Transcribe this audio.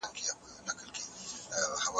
روغتیائي ټولنپوهنه د ناروغیو په څیړلو کي مهمه ده.